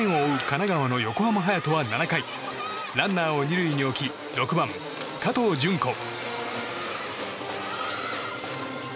神奈川の横浜隼人は７回ランナーを２塁に置き６番、加藤絢子。